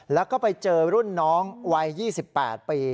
แล้วก็ไปเจอรุ่นน้องวัย๒๘ปี